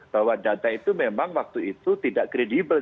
bahwa data itu memang waktu itu tidak kredibel